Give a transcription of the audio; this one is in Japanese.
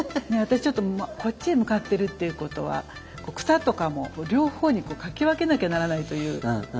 私ちょっとこっちへ向かってるっていうことは草とかも両方にかき分けなきゃならないという。